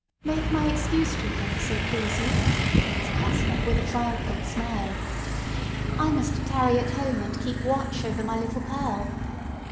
"Make my excuse to him, so please you!" answered Hester, with a triumphant smile. "I must tarry at home, and keep watch over my little Pearl.